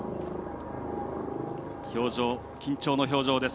緊張の表情です。